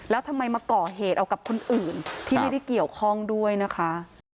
แล้วทำไมมาก่อเหตุเอากับคนอื่นที่ไม่ได้เกี่ยวข้องด้วยนะคะ